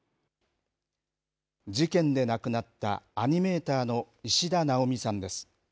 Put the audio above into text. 事件で亡くなったアニメーターの石田奈央美さんです。